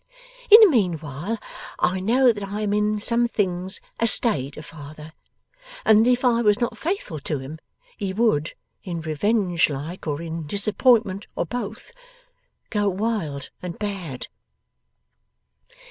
In the meanwhile I know that I am in some things a stay to father, and that if I was not faithful to him he would in revenge like, or in disappointment, or both go wild and bad.